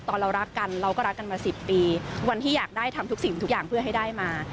เรารักกันเราก็รักกันมา๑๐ปีวันที่อยากได้ทำทุกสิ่งทุกอย่างเพื่อให้ได้มา